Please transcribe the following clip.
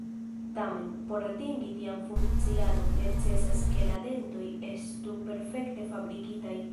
Tamen, por atingi tian funkciadon, necesas ke la dentoj estu perfekte fabrikitaj.